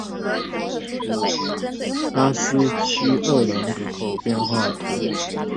阿斯屈厄人口变化图示